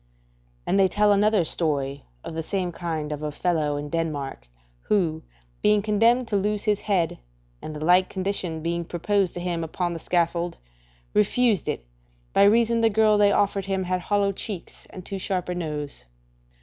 And they tell another story of the same kind of a fellow in Denmark, who being condemned to lose his head, and the like condition being proposed to him upon the scaffold, refused it, by reason the girl they offered him had hollow cheeks and too sharp a nose.